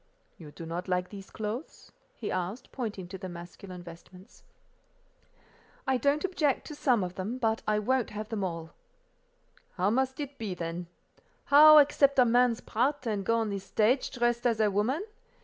"You do not like these clothes?" he asked, pointing to the masculine vestments. "I don't object to some of them, but I won't have them all." "How must it be, then? How accept a man's part, and go on the stage dressed as a woman?